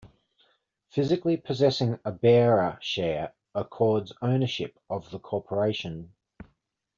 Physically possessing a bearer share accords ownership of the corporation.